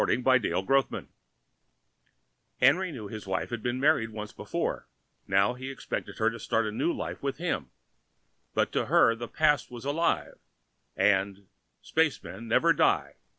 net Henry knew his wife had been married once before; now he expected her to start a new life with him but to her the past was alive, and SPACEMEN NEVER DIE!